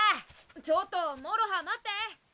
ちょっともろは待って！